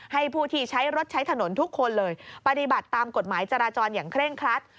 ผู้ที่ใช้รถใช้ถนนทุกคนเลยปฏิบัติตามกฎหมายจราจรอย่างเคร่งครัด